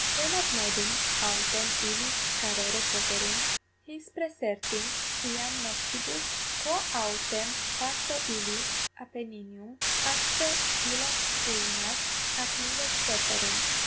Quemadmodum autem illis carere poterunt, his praesertim iam noctibus? quo autem pacto illi Appenninum atque illas pruinas ac nives perferent?